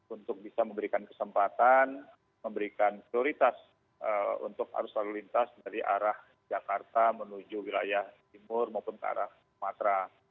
untuk bisa memberikan kesempatan memberikan prioritas untuk arus lalu lintas dari arah jakarta menuju wilayah timur maupun ke arah sumatera